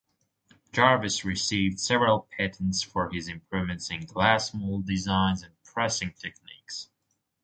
Jarves received several patents for his improvements in glass mold designs and pressing techniques.